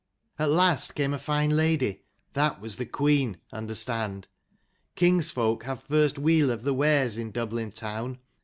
At last came a fine lady; that was the queen, understand. King's folk have first weel of the wares in Dublin town.